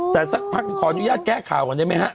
แต่ก็สักพักขออนุญาตแก้ข่าวได้ไหมฮะ